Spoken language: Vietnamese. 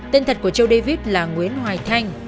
tên thật của châu david là nguyễn hoài thanh